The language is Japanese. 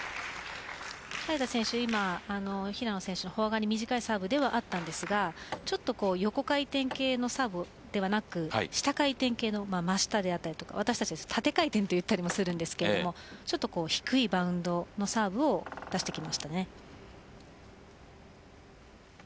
早田選手、今のは平野選手のフォア側に短いサーブではあったんですが横回転系のサーブではなく下回転系の真下であったりとか縦回転と言ったりもするんですけどちょっと低いバウンドのサーブを出してきました。